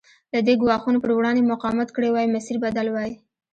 که دې ګواښونو پر وړاندې مقاومت کړی وای مسیر بدل وای.